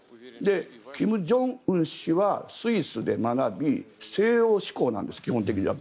金正恩氏はスイスで学び西欧志向なんです、基本的には。